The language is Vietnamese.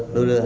tôi lừa họ